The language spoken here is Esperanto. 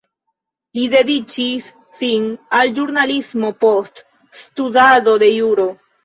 Li dediĉis sin al ĵurnalismo post studado de juro.